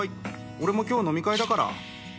俺も今日飲み会だから。